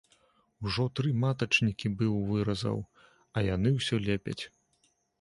Ужо тры матачнікі быў выразаў, а яны ўсё лепяць.